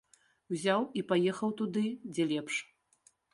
Узяў і паехаў туды, дзе лепш.